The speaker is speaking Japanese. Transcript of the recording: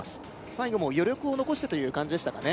最後も余力を残してという感じでしたかね